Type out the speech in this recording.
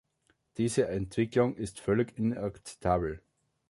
Diese Entwicklung ist völlig inakzeptabel.